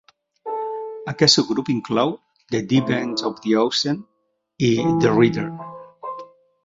Aquest subgrup inclou "The Deep End of the Ocean" i "The Reader".